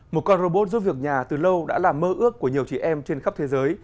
một con robot giúp việc nhà từ lâu đã là mơ ước của nhiều chị em trên khắp thế giới